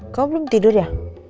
kamu belum tidur ya